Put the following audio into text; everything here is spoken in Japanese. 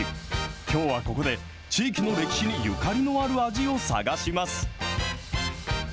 きょうはここで、地域の歴史にゆかりのある味を探します。